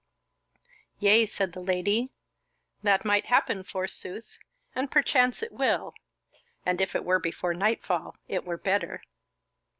"Yea," said the Lady, "that might happen forsooth, and perchance it will; and if it were before nightfall it were better."